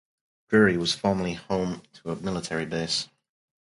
Drury was formerly home to a military base.